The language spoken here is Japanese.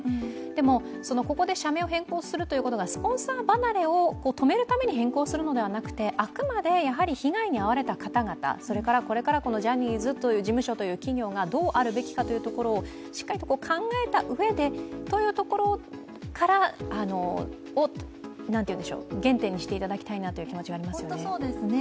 でも、ここで社名を変更するということがスポンサー離れを止めるために変更するんじゃなくて、あくまで被害に遭われた方々、これからジャニーズ事務所という企業がどうあるべきかというところをしっかりと考えたうえで、というところを原点にしていただきたいなという気持ちはありますね。